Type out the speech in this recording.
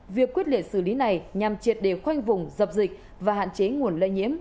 việc quyết liệt xử lý này nhằm triệt đề khoanh vùng dập dịch và hạn chế nguồn lây nhiễm